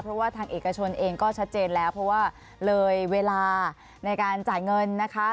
เพราะว่าทางเอกชนเองก็ชัดเจนแล้วเพราะว่าเลยเวลาในการจ่ายเงินนะคะ